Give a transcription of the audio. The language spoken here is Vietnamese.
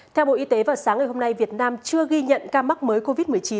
theo bộ y tế vào sáng ngày hôm nay việt nam chưa ghi nhận ca mắc mới covid một mươi chín